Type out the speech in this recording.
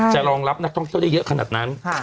รองรับนักท่องเที่ยวได้เยอะขนาดนั้น